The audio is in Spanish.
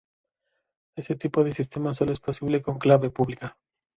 Este tipo de sistemas solo es posible con clave pública.